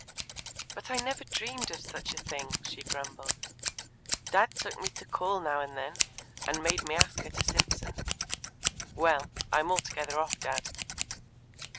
"But I never dreamt of such a thing," she grumbled. "Dad took me to call now and then, and made me ask her to Simpson's. Well, I'm altogether off Dad."